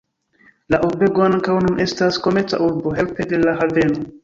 La urbego ankaŭ nun estas komerca urbo helpe de la haveno.